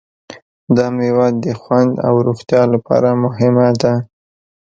دا مېوه د خوند او روغتیا لپاره مهمه ده.